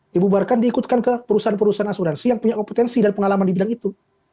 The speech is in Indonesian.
dibubarkan diikutkan ke perusahaan perusahaan asuransi yang punya kompetensi dan pengalaman di bidang itu